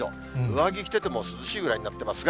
上着着てても涼しいぐらいになっていますが。